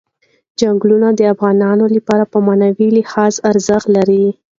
چنګلونه د افغانانو لپاره په معنوي لحاظ ارزښت لري.